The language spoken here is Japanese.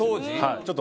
ちょっと。